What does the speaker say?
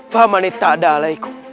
fa manit takda alaikum